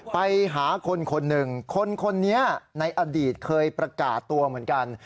ไปหาคนคนหนึ่งคนคนนี้ในอดีตเคยประกาศตัวเหมือนกัน